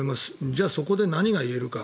じゃあそこで何が言えるか。